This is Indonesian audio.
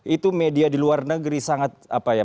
itu media di luar negeri sangat apa ya